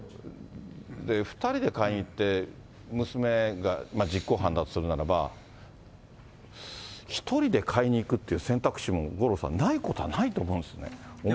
２人で買いに行って、娘が実行犯だとするならば、１人で買いに行くっていう選択肢も、五郎さん、ないことはないと思うんですよね。